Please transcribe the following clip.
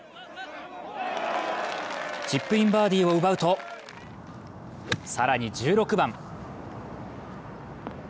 チップインバーディーを奪うと、更に１６番。